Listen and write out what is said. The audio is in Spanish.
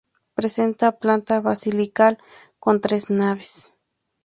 Presenta planta basilical con tres naves.